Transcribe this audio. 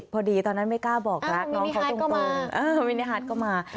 ๒๐พอดีตอนนั้นไม่กล้าบอกรักน้องของตรงมินิฮัทก็มา